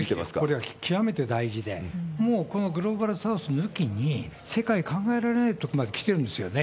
これは極めて大事で、もうこのグローバルサウス抜きに、世界、考えられないところまで来てるんですよね。